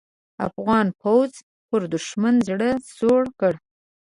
افغان پوځ پر دوښمن زړه سوړ کړ.